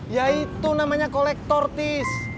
ya itu namanya kolektor tis